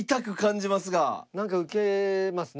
何か受けますね